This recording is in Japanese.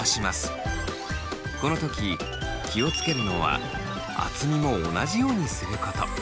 この時気を付けるのは厚みも同じようにすること。